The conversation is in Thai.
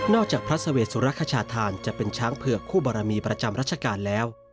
จากพระสเวสุรคชาธานจะเป็นช้างเผือกคู่บรมีประจำรัชกาลแล้ว